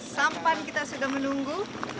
sampan kita sudah menunggu